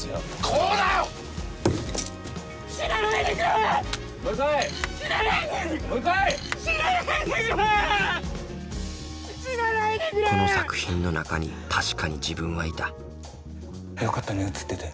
この作品の中に確かに自分はいたよかったね映ってて。